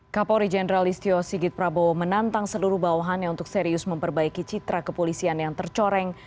kapolri jenderal istio sigit prabowo menantang seluruh bawahannya untuk serius memperbaiki citra kepolisian yang tercoreng